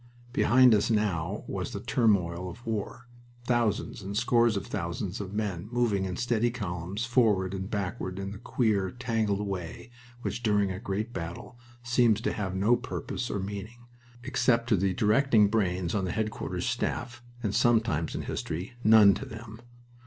Behind us now was the turmoil of war thousands and scores of thousands of men moving in steady columns forward and backward in the queer, tangled way which during a great battle seems to have no purpose or meaning, except to the directing brains on the Headquarters Staff, and, sometimes in history, none to them.